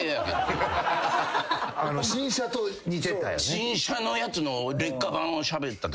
新車と似てたよね。